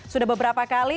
sudah beberapa kali